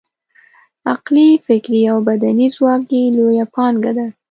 عقلي، فکري او بدني ځواک یې لویه پانګه ده.